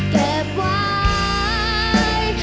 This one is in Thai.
เก็บไว้